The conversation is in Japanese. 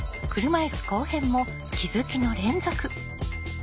車いす後編も気づきの連続。